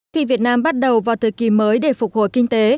khi việt nam bắt đầu vào thời kỳ mới để phục hồi kinh tế